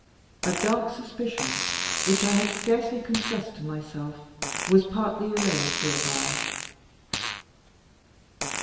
A dark suspicion, which I had scarcely confessed to myself, was partly allayed hereby.